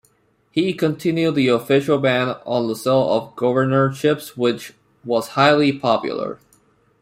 He continued the official ban on the sale of governorships, which was highly popular.